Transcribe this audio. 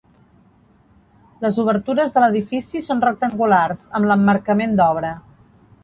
Les obertures de l'edifici són rectangulars, amb l'emmarcament d'obra.